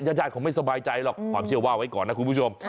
ญาติเขาไม่สบายใจหรอกความเชื่อว่าไว้ก่อนนะคุณผู้ชม